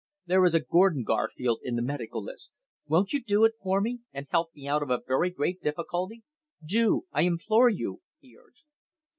There is a Gordon Garfield in the 'Medical List.' Won't you do it for me, and help me out of a very great difficulty? Do! I implore you," he urged.